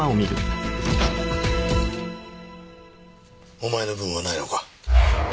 お前の分はないのか？